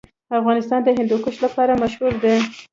افغانستان د هندوکش لپاره مشهور دی.